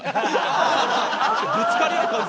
ぶつかり合う感じする！